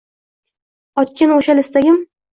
Otgan o’shal istagim.